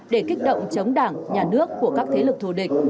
để kích động chống đảng nhà nước của các thế lực thù địch